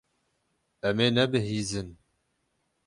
Em ê nebihîzin.